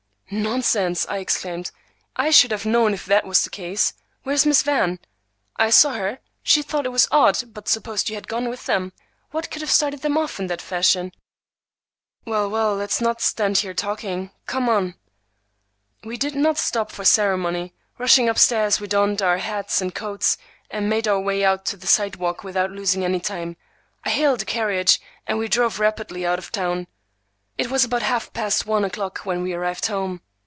"Nonsense!" I exclaimed. "I should have known if that was the case. Where's Miss Van?" "I saw her. She thought it was odd, but supposed you had gone with them. What could have started them off in that fashion?" "Well, well, don't let's stand here talking. Come on." We did not stop for ceremony. Rushing up stairs, we donned our hats and coats, and made our way out to the sidewalk without losing any time. I hailed a carriage, and we drove rapidly out of town. It was about half past one o'clock when we arrived home.